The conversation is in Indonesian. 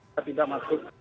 kita tidak masuk